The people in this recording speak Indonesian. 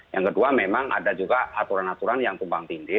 yang kedua memang ada juga aturan aturan yang tumpang tindih